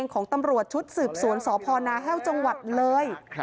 ของตำรวจชุดสืบสวนสพนาแห้วจังหวัดเลย